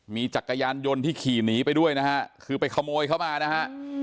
มีจักรยานยนต์ที่ขี่หนีไปด้วยนะฮะคือไปขโมยเขามานะฮะ